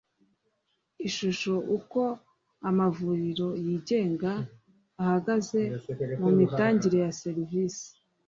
Ishusho uko amavuriro yigenga ahagaze mu mitangire ya serivise